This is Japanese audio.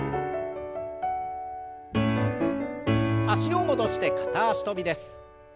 脚を戻して片脚跳びです。